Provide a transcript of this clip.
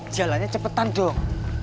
jalannya cepetan dong